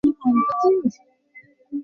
প্রায়শই এগুলির সুপরিচিত মার্কা-নাম থাকে।